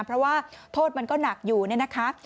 เพราะว่าโทษมันก็หนักอยู่เนี่ยนะคะ